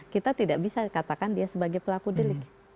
kita tidak bisa katakan dia sebagai pelaku delik